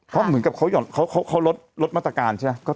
เพราะเหมือนกับเขาลดมาตรการใช่ไหม